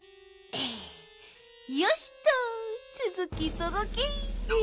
よしっとつづきつづき。